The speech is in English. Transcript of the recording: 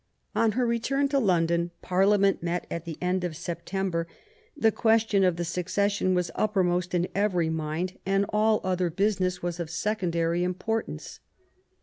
On her return to London Parliament met at the end of September. The question of the succession ELIZABETH AND MARY STUART. 95 was uppermost in every mind, and all other business was of secondary importance.